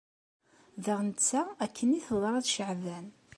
Daɣ netta akken i teḍra d Caɛban.